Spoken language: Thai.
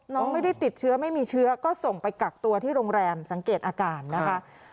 ไม่ได้ติดเชื้อไม่มีเชื้อก็ส่งไปกักตัวที่โรงแรมสังเกตอาการนะคะ